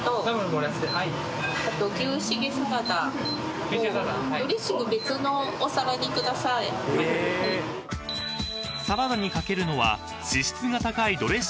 ［サラダにかけるのは脂質が高いドレッシングではなくレモン汁］